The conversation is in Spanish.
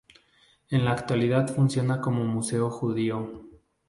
En la actualidad funciona como museo judío.